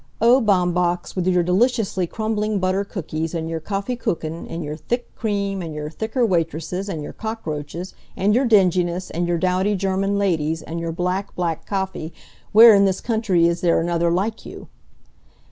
O Baumbach's, with your deliciously crumbling butter cookies and your kaffee kuchen, and your thick cream, and your thicker waitresses and your cockroaches, and your dinginess and your dowdy German ladies and your black, black Kaffee, where in this country is there another like you!